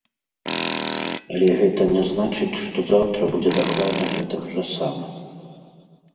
Але гэта не значыць, што заўтра будзе дакладна гэтак жа сама.